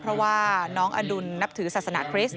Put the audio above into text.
เพราะว่าน้องอดุลนับถือศาสนาคริสต